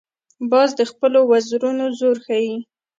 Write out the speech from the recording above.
باز د خپلو وزرونو زور ښيي